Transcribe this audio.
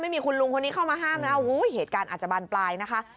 ไม่มีคุณลุงคนนี้เข้ามาห้ามนะเหตุการณ์อาจจะบานปลายนะคะ